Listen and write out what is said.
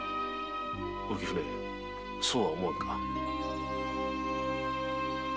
浮舟そうは思わんか？